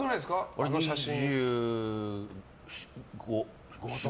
あの写真。